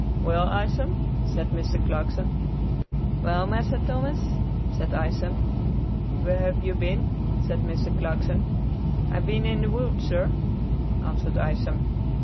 "Well, Isom," said Mr. Clarkson. "Well, Massa Thomas," said Isom. "Where have you been?" said Mr. Clarkson. "I been in the woods, sir," answered Isom.